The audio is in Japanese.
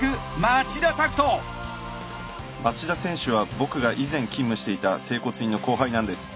町田選手は僕が以前勤務していた整骨院の後輩なんです。